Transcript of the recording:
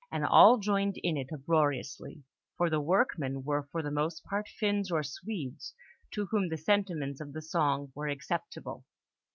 and all joined in it uproariously, for the workmen were for the most part Finns or Swedes, to whom the sentiments of the song were acceptable.